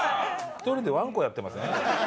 １人でわんこやってません？